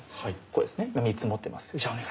これですね３つ持ってますね。